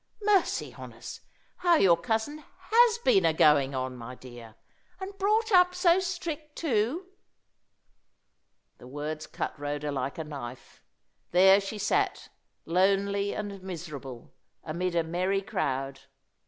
Mercy on us, how your cousin has been a going on, my dear! And brought up so strict too!" The words cut Rhoda like a knife. There she sat, lonely and miserable, amid a merry crowd.